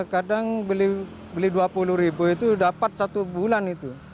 kadang beli rp dua puluh dapat satu bulan